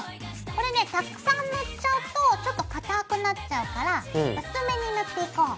これねたくさん塗っちゃうとちょっとかたくなっちゃうから薄めに塗っていこう。